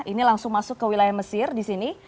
ini langsung masuk ke wilayah mesir di sini